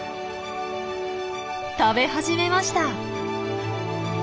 食べ始めました。